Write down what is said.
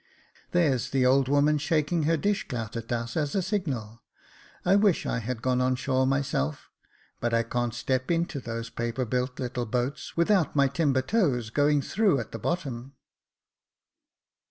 There's the old woman shaking her dishclout at us, as a signal. I wish I had gone on shore myself, but I can't step into those paper built little boats, without my timber toes going through at the bottom."